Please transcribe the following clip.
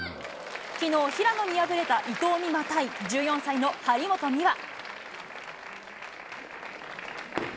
きのう、平野に敗れた伊藤美誠対１４歳の張本美和。